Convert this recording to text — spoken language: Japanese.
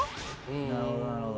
なるほどなるほど。